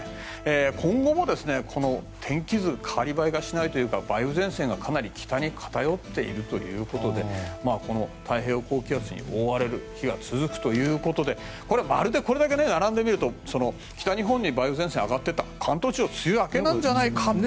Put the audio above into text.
今後もこの天気図変わり映えしないというか梅雨前線が偏っているということで太平洋高気圧に覆われる日が続くということでまるでこれだけ並んで見ると北日本に梅雨前線が上がっていって関東地方梅雨明けなんじゃないかと。